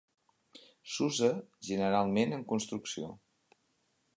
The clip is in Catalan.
S'usa generalment en construcció.